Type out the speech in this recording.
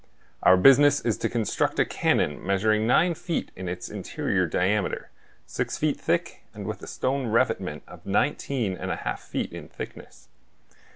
Our business is to construct a cannon measuring nine feet in its interior diameter, six feet thick, and with a stone revetment of nineteen and a half feet in thickness.